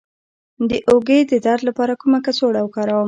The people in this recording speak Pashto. د اوږې د درد لپاره کومه کڅوړه وکاروم؟